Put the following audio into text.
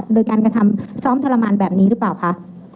โดยการกระทำซ้อมทรมานแบบนี้หรือเปล่าคะ